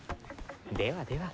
ではでは。